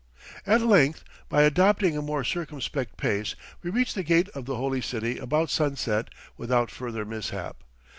At length, by adopting a more circumspect pace, we reach the gate of the holy city about sunset without further mishap.